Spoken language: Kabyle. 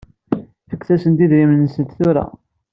Fket-asent idrimen-nsent tura.